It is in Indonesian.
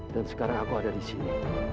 dan sekarang aku ada di sini